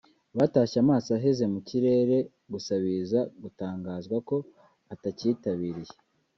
batashye amaso aheze mu kirere gusa biza gutangazwa ko atacyitabiriye